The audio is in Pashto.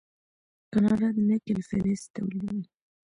کاناډا د نکل فلز تولیدوي.